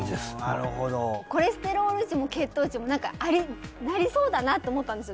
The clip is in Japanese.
なるほどコレステロール値も血糖値も何かなりそうだなと思ったんですよ